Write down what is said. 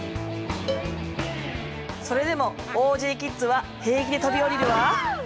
それでもオージーキッズは平気で飛び降りるわ。